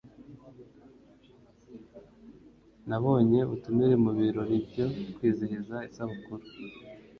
Nabonye ubutumire mu birori byo kwizihiza isabukuru.